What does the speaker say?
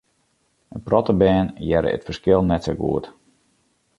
In protte bern hearre it ferskil net sa goed.